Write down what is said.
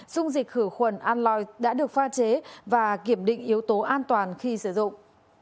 dung dịch khử khuẩn anloyd đã được pha chế và kiểm định yếu tố an toàn khi sử dụng